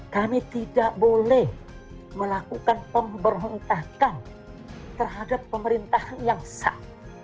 kami tidak boleh melakukan pemberohentakan terhadap pemerintahan yang sah